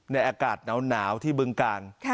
อากาศหนาวที่บึงกาล